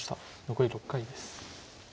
残り６回です。